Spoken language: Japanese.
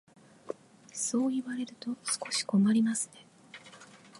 そう言われると少し困りますね。